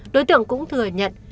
đối tượng cũng thừa nhận